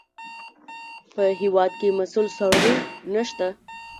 په هېواد کې مسوول سړی نشته.